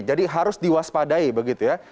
jadi harus diwaspadai begitu ya